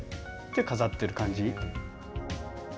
で飾ってる感じ。